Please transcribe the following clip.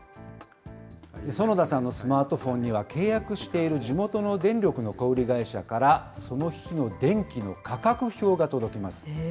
薗田さんのスマートフォンには、契約している地元の電力の小売り会社からその日の電気の価格表が届きます。